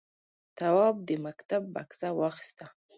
تواب د مکتب بکسه واخیسته.